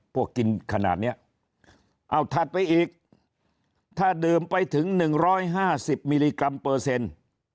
พวกกินขนาดนี้เอาถัดไปอีกถ้าดื่มไปถึง๑๕๐มิลลิกรัมเปอร์เซ็นต์